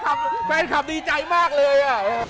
แฟนคลับดีใจมากเลย